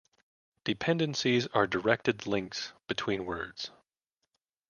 Dependencies are directed links between words.